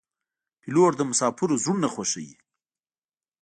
پیلوټ د مسافرو زړونه خوښوي.